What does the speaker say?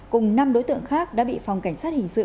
cùng năm đối tượng khác đã bị phòng cảnh sát hình sự